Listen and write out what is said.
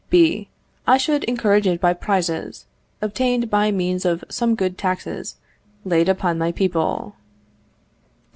B. I should encourage it by prizes, obtained by means of some good taxes laid upon my people.